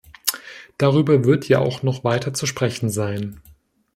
Darüber wird ja auch noch weiter zu sprechen sein.